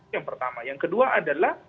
yang pertama yang kedua adalah